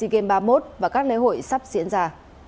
kênh ba mươi một và các lễ hội sắp diễn ra